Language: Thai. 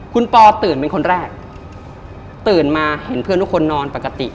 คุณปอตื่นเป็นคนแรกตื่นมาเห็นเพื่อนทุกคนนอนปกติ